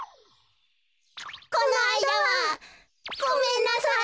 このあいだはごめんなさい。